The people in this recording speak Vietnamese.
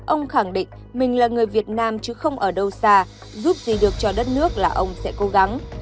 ông khẳng định mình là người việt nam chứ không ở đâu xa giúp gì được cho đất nước là ông sẽ cố gắng